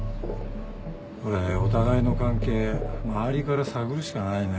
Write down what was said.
これお互いの関係周りから探るしかないね。